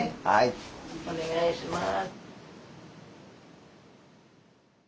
お願いします。